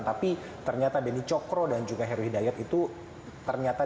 tapi ternyata beni cokro dan juga heru hidayat itu ternyata